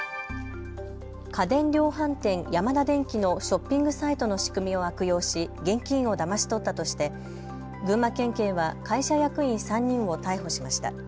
家電量販店ヤマダデンキのショッピングサイトの仕組みを悪用し現金をだまし取ったとして群馬県警は会社役員３人を逮捕しました。